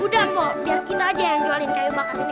udah embo biar kita aja yang jualin kayu bakar